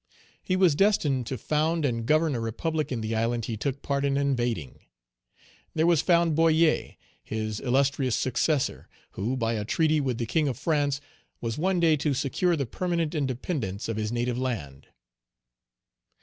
He was destined to found and govern a republic in the island he took part in invading. There was found Boyer, his illustrious successor, who, by a treaty with the king of France, was one day to secure the permanent independence of his native land.